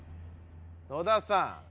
野田さん